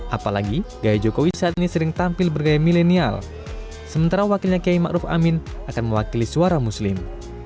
apalagi gaya jokowi saat ini sering tampil bergaya milenial sementara wakilnya kiai ⁇ maruf ⁇ amin akan mewakili suara muslim